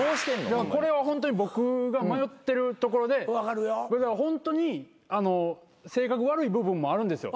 これはホントに僕が迷ってるところでホントに性格悪い部分もあるんですよ。